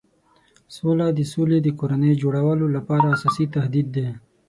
سوله د سولې د کورنۍ جوړولو لپاره اساسي تهدید دی.